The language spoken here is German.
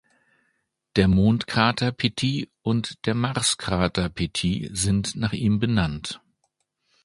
Der Mondkrater Pettit und der Marskrater Pettit sind nach ihm benannt.